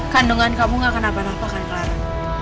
kandungan kamu gak kenapa napa kan kelarang